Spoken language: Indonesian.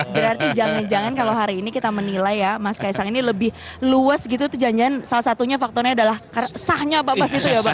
berarti jangan jangan kalau hari ini kita menilai ya mas kaisang ini lebih luas gitu janjian salah satunya faktornya adalah sahnya pak bas itu ya pak